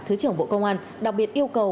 thứ trưởng bộ công an đặc biệt yêu cầu